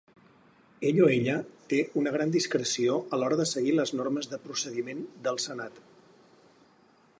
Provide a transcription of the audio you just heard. Ell o ella té una gran discreció a l'hora de seguir les normes de procediment del senat.